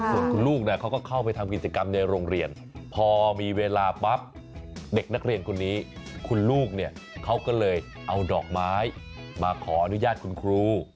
ส่วนคุณลูกเขาก็เข้าไปทำกิจกรรมในโรงเรียนพอมีเวลาปั๊บเด็กนักเรียนคนนี้คุณลูกเนี่ยเขาก็เลยเอาดอกไม้มาขออนุญาตคุณครู